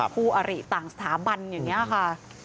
คู่อริต่างสถาบันอย่างนี้ค่ะ